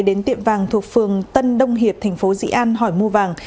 đến tiệm vàng thuộc phường tân đông hiệp thành phố dị an hỏi mua vàng